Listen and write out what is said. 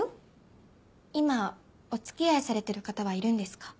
今お付き合いされてる方はいるんですか？